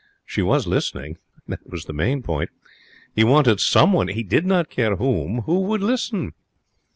She was listening. That was the main point. He wanted someone he did not care whom who would listen.